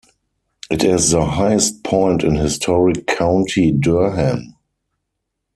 It is the highest point in historic County Durham.